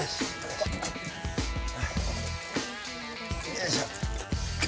よいしょ。